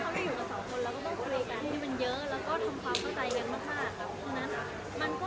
และคุณแม่ก็เข้าใจปัญหาและความรู้สึกของหนูได้มากขึ้นเหมือนกัน